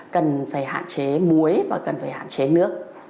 cần phải hạn chế muối và cần phải hạn chế nước